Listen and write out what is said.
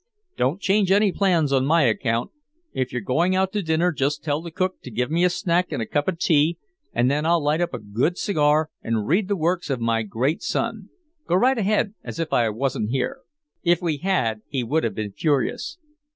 Don't change any plans on my account. If you're going out to dinner just tell the cook to give me a snack and a cup of tea, and then I'll light a good cigar and read the works of my great son. Go right ahead as if I wasn't here." If we had he would have been furious.